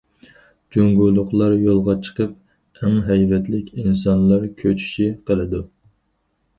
جۇڭگولۇقلار يولغا چىقىپ، ئەڭ ھەيۋەتلىك ئىنسانلار كۆچۈشى قىلىدۇ.